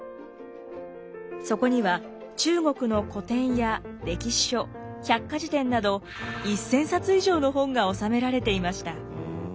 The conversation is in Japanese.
そこには中国の古典や歴史書百科事典など１，０００冊以上の本が収められていました。